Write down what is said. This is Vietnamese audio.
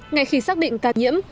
ngày khi xác định ca nhiễm